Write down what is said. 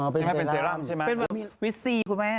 เป็นวิทซีคุณแม่